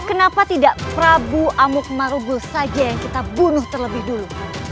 kenapa tidak prabu amuk marubus saja yang kita bunuh terlebih dulu